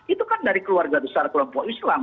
itu kan dari keluarga besar kelompok islam